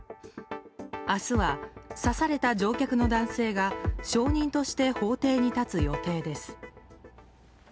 明日は、刺された乗客の男性が証人として法廷に立つ予定です。